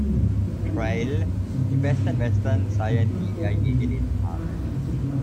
Trail", die besten Western seien, die er je gelesen habe.